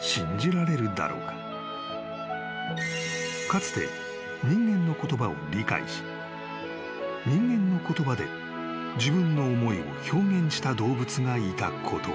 ［かつて人間の言葉を理解し人間の言葉で自分の思いを表現した動物がいたことを］